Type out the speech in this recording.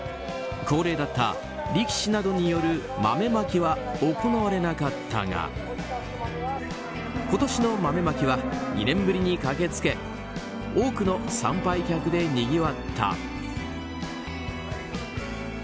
恒例だった力士などによる豆まきは行われなかったが今年の豆まきは２年ぶりに駆けつけ多くの参拝客でにぎわった。